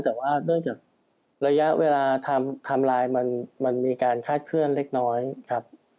แต่ว่าเนื่องจากระยะเวลาไทม์ไลน์มันมีการคาดเคลื่อนเล็กน้อยครับ